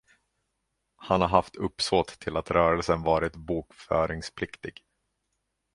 Han har haft uppsåt till att rörelsen varit bokföringspliktig.